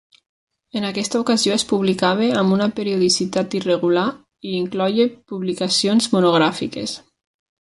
En aquesta ocasió, es publicava amb una periodicitat irregular i incloïa publicacions monogràfiques.